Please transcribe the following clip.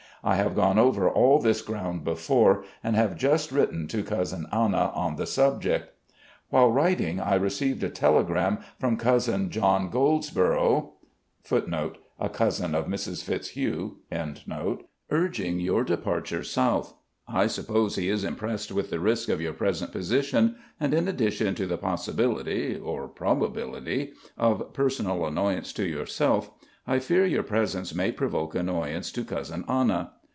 I have gone over all this groimd before, and have just written to Cousin Anna on the subject. "While writing, I received a telegram from Cousin John Goldsborough*, urging your departure 'South.' I ♦ A cousin of Mrs. Fitzhugh. THE CONFEDERATE GENERAL 33 suppose he is impressed with the risk of your present position, and in addition to the possibility, or probability, of personal annoyance to yourself, I fear your presence may provoke annoyance to Cousin Anna.